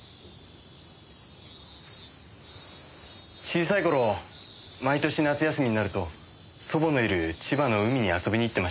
小さい頃毎年夏休みになると祖母のいる千葉の海に遊びに行ってました。